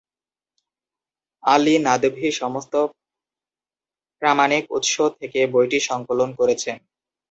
আলী নদভী সমস্ত প্রামাণিক উৎস থেকে বইটি সংকলন করেছেন।